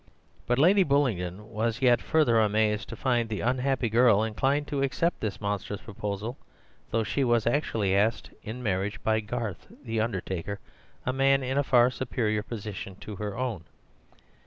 But Lady Bullingdon was yet further amazed to find the unhappy girl inclined to accept this monstrous proposal, though she was actually asked in marriage by Garth, the undertaker, a man in a far superior position to her own.